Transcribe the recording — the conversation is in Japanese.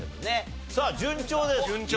さあ順調です。